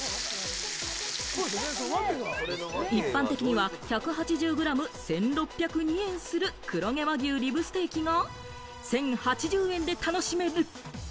一般的には１８０グラム１６０２円する黒毛和牛リブステーキが１０８０円で楽しめる。